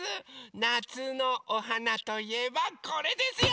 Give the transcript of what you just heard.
なつのおはなといえばこれですよ！